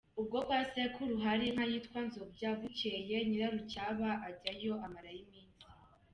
Ubwo kwa sekuru hari inka yitwa Nzobya, bukeye Nyirarucyaba ajyayo, amarayo iminsi.